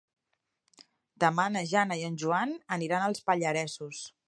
Demà na Jana i en Joan aniran als Pallaresos.